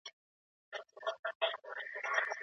د مطالعې فرهنګ د ماشومانو په روزنه کې مهم دی.